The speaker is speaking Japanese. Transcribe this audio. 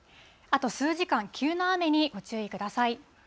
あと数時間、急な雨にご注意ください。